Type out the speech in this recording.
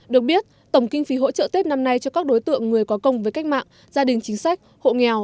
được biết tổng kinh phí hỗ trợ tết năm nay cho các đối tượng người có công với cách mạng gia đình chính sách hộ nghèo